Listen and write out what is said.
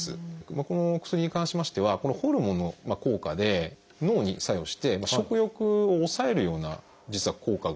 この薬に関しましてはホルモンの効果で脳に作用して食欲を抑えるような実は効果が出るんです。